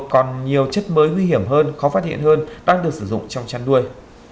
còn nhiều chất mới nguy hiểm hơn khó phát hiện hơn đang được sử dụng trong chăn nuôi